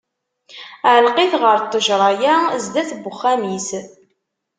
Ɛelleq-it ɣer ṭejra-ya, sdat n uxxam-is.